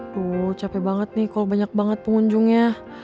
tuh capek banget nih kalau banyak banget pengunjungnya